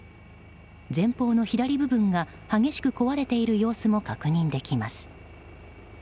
前方の左部分が激しく壊れている様子も確認できます。